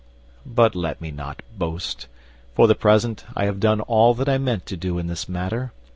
But let me not boast. For the present, I have done all that I meant to do in this matter.